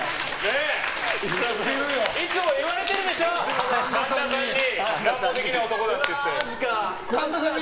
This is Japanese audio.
いつも言われてるでしょ神田さんに。